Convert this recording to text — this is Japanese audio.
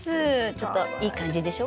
ちょっといい感じでしょ？